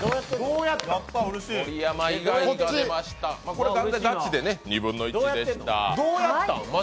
これは完全にガチで２分の１でした。